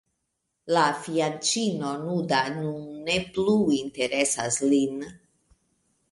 La fianĉino nuda nun ne plu interesas lin.